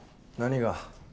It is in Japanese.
何が。